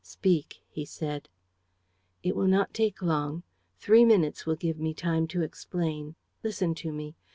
"Speak," he said. "It will not take long. Three minutes will give me time to explain. Listen to me.